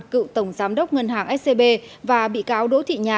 cựu tổng giám đốc ngân hàng scb và bị cáo đối thị nhân